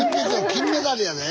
金メダルやで。